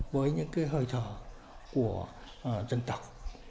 với những cái hơi thở của dân tộc